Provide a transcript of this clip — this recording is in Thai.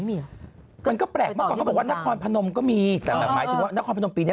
มันก็แปลกมากเขาบอกว่านครพนมก็มีแต่หมายถึงว่านครพนมปีนี้